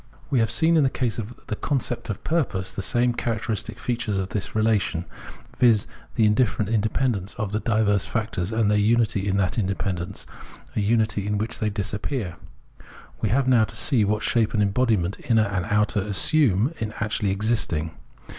We have seen in the case of the concept of purpose the same characteristic features of the relation, viz. the indifferent independence of the diverse factors, and their unity in that independence, a unity in which they disappear. We have now to see what shape and embodiment inner and outer assume in actually existing.